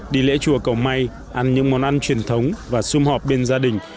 đi lễ chùa cầu may ăn những món ăn truyền thống và xung họp bên gia đình